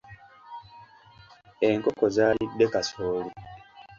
Enkoko zaalidde kasooli.